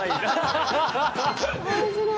面白い。